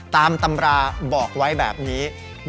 ตามตำราบอกไว้แบบนี้